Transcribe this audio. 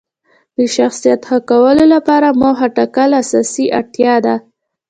د شخصیت ښه کولو لپاره موخه ټاکل اساسي اړتیا ده.